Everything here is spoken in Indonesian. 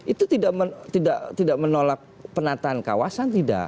itu tidak menolak penataan kawasan tidak